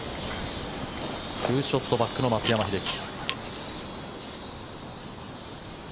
ツーショットバックの松山英樹。